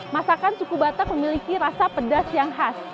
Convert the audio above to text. masakan suku batak memiliki rasa pedas yang khas